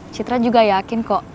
citra juga yakin kok